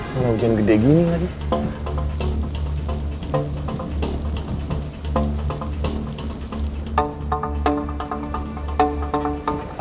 mau hujan gede gini gak dia